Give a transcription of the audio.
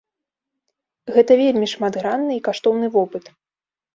Гэта вельмі шматгранны і каштоўны вопыт.